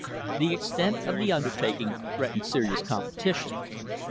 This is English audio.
The extent of the undertaking threatened serious competition.